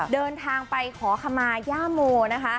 เดินทางไปขอคำมาย่ามูน